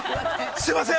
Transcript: すいません。